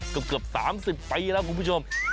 เกือบ๓๐ปีแล้วคุณผู้ชม